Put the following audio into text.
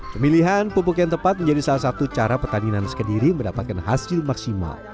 pemilihan pupuk yang tepat menjadi salah satu cara pertanian sekendiri mendapatkan hasil maksimal